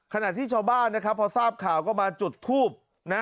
ขณะที่ชาวบ้านพอทราบข่าวก็มาจุดทูบ